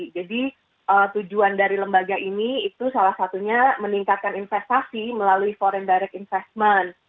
jadi tujuan dari lembaga ini itu salah satunya meningkatkan investasi melalui foreign direct investment